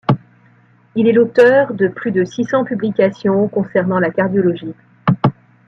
Il est l'auteur de plus de six cents publications concernant la cardiologie.